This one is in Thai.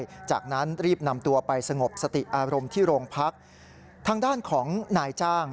หลังจากนั้นรีบนำตัวไปสงบสติอารมณ์ที่โรงพักทางด้านของนายจ้าง